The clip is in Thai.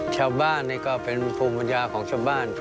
ชาวบ้านนี่ก็เป็นภูมิปัญญาของชาวบ้าน